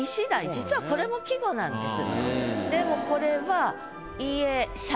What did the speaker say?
実はこれも季語なんです。